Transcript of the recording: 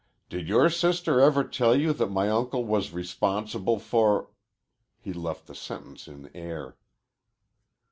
"Did your sister ever tell you that my uncle was responsible for ?" He left the sentence in air.